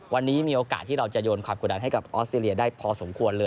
วันนี้มีโอกาสที่เราจะโยนความกดดันให้กับออสเตรเลียได้พอสมควรเลย